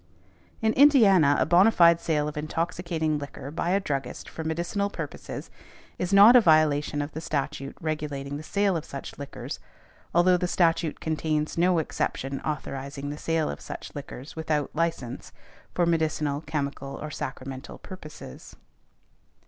In Indiana a bona fide sale of intoxicating liquor by a druggist for medicinal purposes is not a violation of the statute regulating the sale of such liquors, although the statute contains no exception authorizing the sale of such |188| liquors, without license, for medicinal, chemical or sacramental purposes.